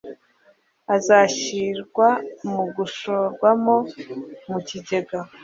azashyirwa mugushorwamo mu kigega .